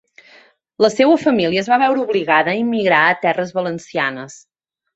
La seua família es va veure obligada a immigrar a terres valencianes.